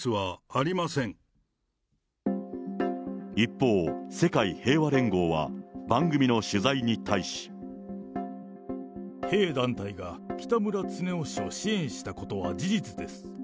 一方、世界平和連合は、番組の取材に対し。弊団体が北村経夫氏を支援したことは事実です。